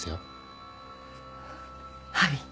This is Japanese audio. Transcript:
はい。